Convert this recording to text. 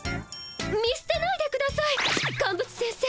見すてないでくださいカンブツ先生。